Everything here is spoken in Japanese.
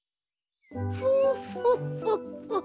フォフォッフォッフォッ。